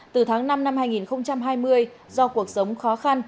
từ tháng năm năm hai nghìn hai mươi do cuộc sống khó khăn